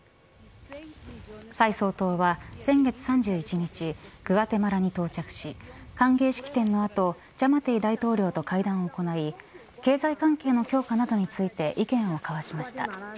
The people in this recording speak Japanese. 蔡総統は、先月３１日グアテマラに到着し歓迎式典の後ジャマテイ大統領と会談を行い経済関係の強化などについて意見を交わしました。